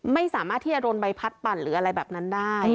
ไม่สามารถที่จะโดนใบพัดปั่นหรืออะไรแบบนั้นได้